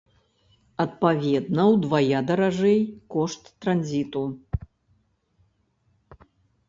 Адпаведна ўдвая даражэй кошт транзіту.